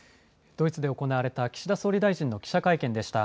ドイツで行われた岸田総理大臣の記者会見でした。